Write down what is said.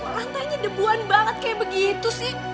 lantainya debuan banget kayak begitu sih